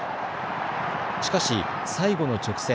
しかし最後の直線。